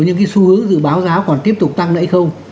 những xu hướng dự báo giá còn tiếp tục tăng hay không